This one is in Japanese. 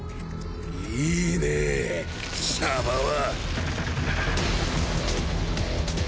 いいねぇシャバは。